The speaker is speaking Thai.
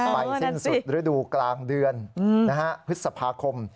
สิ้นสุดฤดูกลางเดือนพฤษภาคม